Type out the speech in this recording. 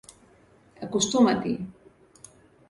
Acostuma't-hi!